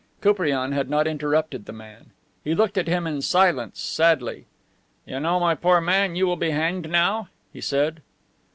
Koupriane had not interrupted the man. He looked at him in silence, sadly. "You know, my poor man, you will be hanged now?" he said.